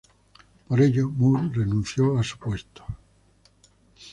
Por ello Moore renunció a su puesto.